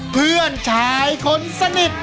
เพื่อนชายคนสนิท